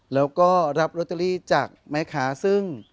แล้วก็รับลอตเตอรี่จากแม่ค้าซึ่ง